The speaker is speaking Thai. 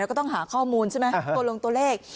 เราก็ต้องหาข้อมูลใช่ไหมโปรดลงตัวเลข